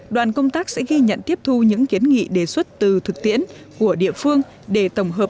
đoàn công tác sẽ ghi nhận tiếp thu những kiến nghị đề xuất từ thực tiễn của địa phương để tổng hợp